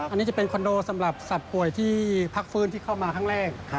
อันนี้จะเป็นคอนโดสำหรับสัตว์ป่วยที่พักฟื้นที่เข้ามาครั้งแรก